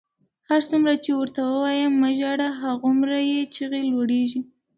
هرڅومره چې ورته وایم مه ژاړه، هغومره یې چیغې لوړېږي.